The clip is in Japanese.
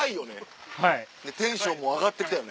テンションも上がってきたよね。